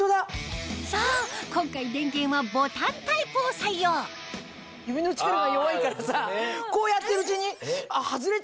そう今回電源はボタンタイプを採用指の力が弱いからさこうやってるうちに外れちゃうのよ。